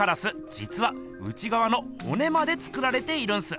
じつは内がわのほねまで作られているんす。